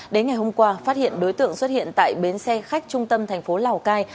đến ngày hôm qua phát hiện đối tượng xuất hiện tại bến xe khách trung tâm thành phố lào cai